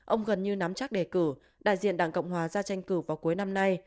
ông gần như nắm chắc đề cử đại diện đảng cộng hòa ra tranh cử vào cuối năm nay